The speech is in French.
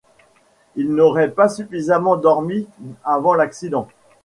Il n'aurait pas suffisamment dormi avant l'accident.